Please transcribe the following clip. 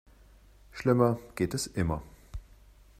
Schlimmer geht immer.